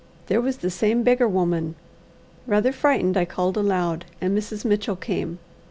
There was the same beggar woman. Rather frightened, I called aloud, and Mrs. Mitchell came.